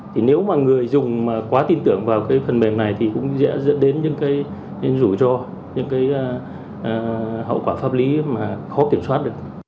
thì nếu mà người dùng mà quá tin tưởng vào cái phần mềm này thì cũng sẽ dẫn đến những cái rủi ro những cái hậu quả pháp lý mà khó kiểm soát được